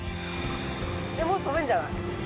もう飛ぶんじゃない？